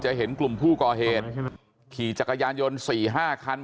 เห็นกลุ่มผู้ก่อเหตุขี่จักรยานยนต์๔๕คัน